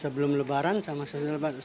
sebelum lebaran sama sesudah lebaran